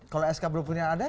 kalau sk belum punya ada